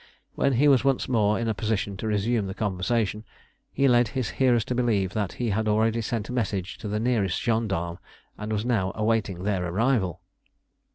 When he was once more in a position to resume the conversation, he led his hearers to believe that he had already sent a message to the nearest gendarmes and was now awaiting their arrival.